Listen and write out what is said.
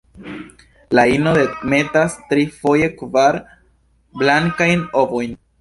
La ino demetas tri, foje kvar, blankajn ovojn.